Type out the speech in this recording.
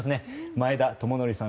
前田智徳さん